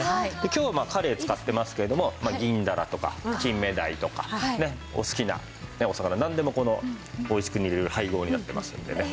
今日はまあカレイ使ってますけれどもギンダラとかキンメダイとかお好きなお魚なんでもおいしく煮れる配合になってますのでね。